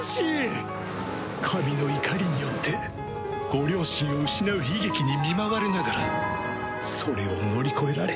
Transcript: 神の怒りによってご両親を失う悲劇に見舞われながらそれを乗り越えられ。